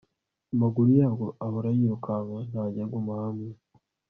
amaguru ye ahora yirukanka, ntajya aguma iwe